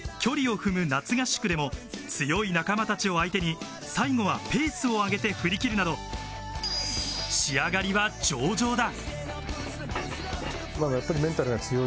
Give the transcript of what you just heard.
距離を踏む夏合宿でも強い仲間たちを相手に最後はペースを上げて振り切るなど、仕上がりは上々だ。